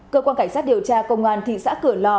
cơ quan cảnh sát điều tra công an thị xã cửa lò